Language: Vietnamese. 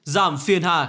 giảm phiên hà